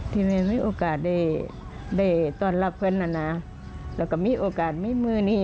ที่มันมีโอกาสได้ต้อนรับเพลินอนาคตและก็มีโอกาสมีมือนี้